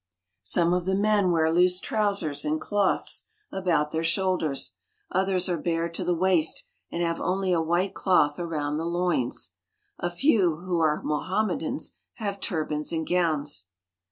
Some of the men wear loose trousers and cloths about their shoulders ; others are bare to the waist, and have only a white cloth around the loins. A few who are Mohammedans have turbans and gowns.